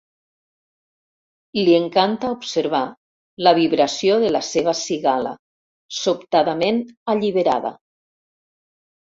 Li encanta observar la vibració de la seva cigala, sobtadament alliberada.